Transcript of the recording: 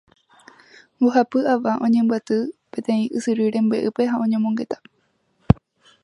"Mbohapy ava oñembyaty peteĩ ysyry rembe'ýpe ha oñomongeta.